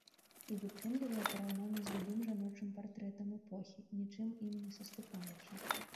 І вытрымлівае параўнанні з любым жаночым партрэтам эпохі, нічым ім не саступаючы.